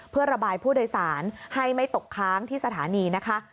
เพื่อระบายผู้โดยสารให้ไม่ตกค้างที่สถานีนะคะ